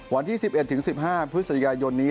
วันที่๑๑๑๕พฤษฎีกายนนี้